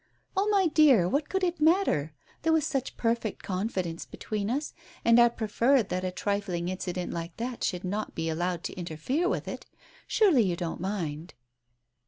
"Oh, my dear, what could it matter? There was such perfect confidence between us, and I preferred that a trifling incident like that should not be allowed to inter fere with it. Surely you don't mind?"